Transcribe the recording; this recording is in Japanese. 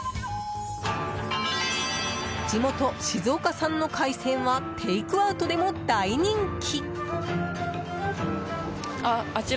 地元・静岡産の海鮮はテイクアウトでも大人気！